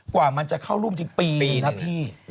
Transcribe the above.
กว่ามันจะเข้ารุ่นทางปีหนึ่งนะพี่